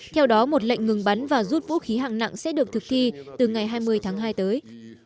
theo đó một lệnh ngừng bắn và rút vũ khí hạng nặng sẽ được thực thi từ ngày hai mươi tháng hai tới